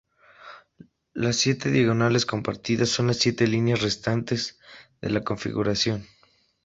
Las siete diagonales compartidas son las siete líneas restantes de la configuración.